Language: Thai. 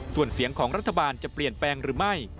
ส่วนเสียงของรัฐบาลจะเปลี่ยนแปลงหรือไม่